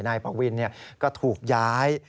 นายปวินก็ถูกย้าย